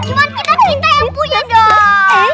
cuman kita minta yang punya dong